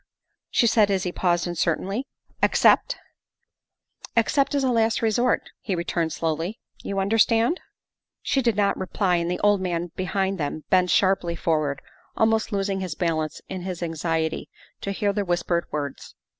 she said as he paused uncertainly, " ex cept?" '' Except as a last resort, '' he returned slowly. '' You understand ?'' She did not reply, and the old man behind them bent sharply forward, almost losing his balance in his anxiety to hear the whispered words.